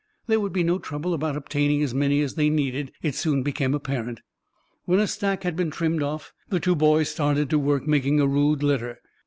There would be no trouble about obtaining as many as they needed, it soon became apparent. When a stack had been trimmed off, the two boys started to work making a rude litter.